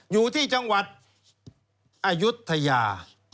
อยู่ที่จังหวัดอายุทยา